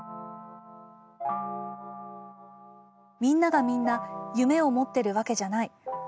「みんながみんな夢を持ってるわけじゃない。